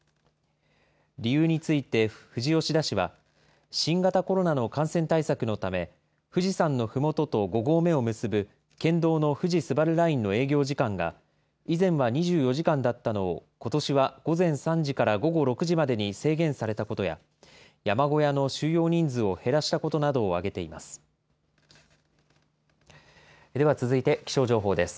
理由について富士吉田市は、新型コロナの感染対策のため、富士山のふもとと５合目を結ぶ県道の富士スバルラインの営業時間が以前は２４時間だったのをことしは午前３時から午後６時までに制限されたことや、山小屋の収容人数を減らしたことなどを挙げています。